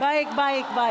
baik baik baik